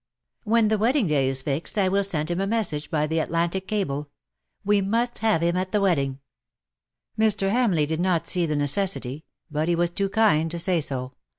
" When the wedding day is fixed, I will send him a message by the Atlantic cable. We must have him at the wedding." Mr. Hamleigh did not see the necessity • but he was too kind to say so.